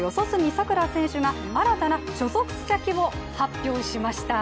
さくら選手が新たな所属先を発表しました。